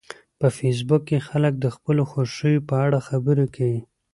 په فېسبوک کې خلک د خپلو خوښیو په اړه خبرې کوي